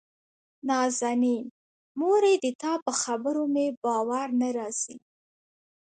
نازنين: مورې دتا په خبرو مې باور نه راځي.